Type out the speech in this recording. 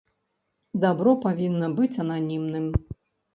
Дабро павінна быць ананімным.